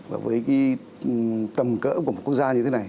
và với cái tầm cỡ của một quốc gia như thế này